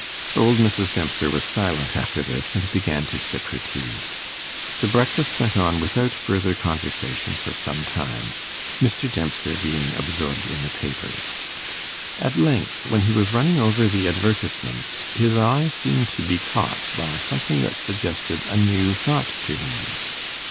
Old Mrs. Dempster was silent after this, and began to sip her tea. The breakfast went on without further conversation for some time, Mr. Dempster being absorbed in the papers. At length, when he was running over the advertisements, his eye seemed to be caught by something that suggested a new thought to him.